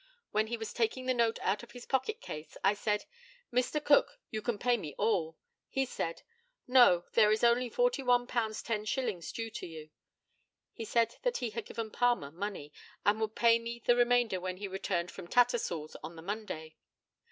When he was taking the note out of his pocket case, I said "Mr. Cook, you can pay me all." He said, "No; there is only £41 10s. due to you." He said that he had given Palmer money, and would pay me the remainder when he returned from Tattersall's on the Monday.